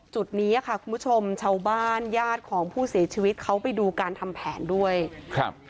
จุดนี้อ่ะค่ะคุณผู้ชมชาวบ้านญาติของผู้เสียชีวิตเขาไปดูการทำแผนด้วยครับ